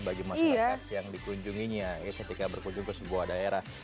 bagi masyarakat yang dikunjunginya ketika berkunjung ke sebuah daerah